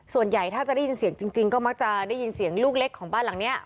ส่วนใหญ่ถ้าจะได้ยินเสียงจริงก็มักจะได้ยินเสียงลูกเล็กของบ้านหลังนี้